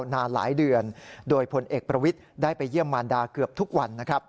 นานหลายเดือนโดยพลเอกประวิทย์ได้ไปเยี่ยมมารดาเกือบทุกวันนะครับ